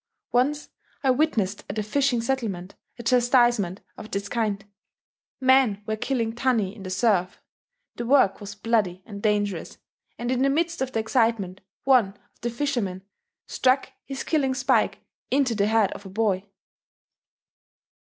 Once I witnessed at a fishing settlement, a chastisement of this kind. Men were killing tunny in the surf; the work was bloody and dangerous; and in the midst of the excitement, one of the fishermen struck his killing spike into the head of a boy.